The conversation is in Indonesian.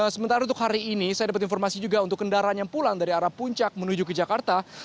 sementara untuk hari ini saya dapat informasi juga untuk kendaraan yang pulang dari arah puncak menuju ke jakarta